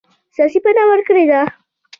سیاسي پناه ورکړې ده.